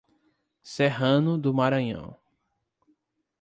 Serrano do Maranhão